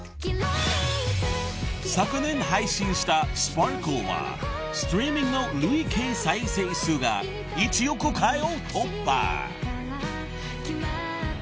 ［昨年配信した『スパークル』はストリーミングの累計再生数が１億回を突破］